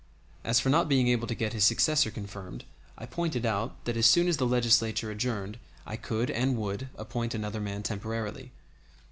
As for not being able to get his successor confirmed, I pointed out that as soon as the Legislature adjourned I could and would appoint another man temporarily.